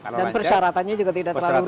dan persyaratannya juga tidak terlalu rumit ya pak